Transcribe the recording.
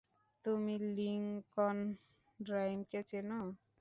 তুমি লিংকন রাইমকে চেনো?